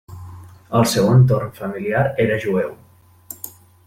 El seu entorn familiar era jueu.